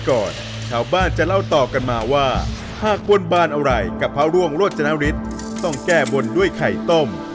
ชาวบ้านจะเล่าต่อกันมาว่าหากบนบานอะไรกับพระร่วงโรจนฤทธิ์ต้องแก้บนด้วยไข่ต้ม